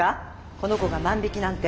この子が万引きなんて。